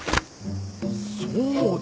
そうだ！